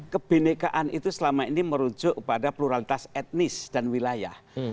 kebenekaan itu selama ini merujuk kepada pluralitas etnis dan wilayah